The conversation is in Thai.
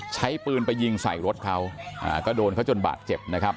ใช้ปืนไปยิงใส่รถเขาก็โดนเขาจนบาดเจ็บนะครับ